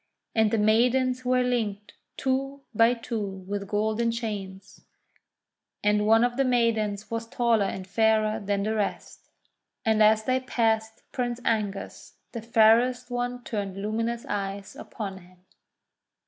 And the maidens were linked two by two with golden chains, and one of the 240 THE WONDER GARDEN maidens was taller and fairer than the rest. And as they passed Prince Angus, the fairest one turned luminous eyes upon him.